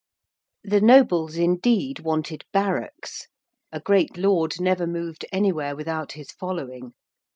] The nobles indeed wanted barracks. A great Lord never moved anywhere without his following.